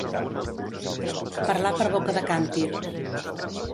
Parlar per boca de càntir.